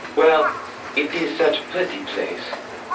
Well, it is such pretty place.